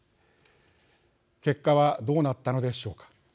結果はどうなったのでしょうか。